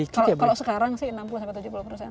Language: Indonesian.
kalau sekarang sih enam puluh sampai tujuh puluh persen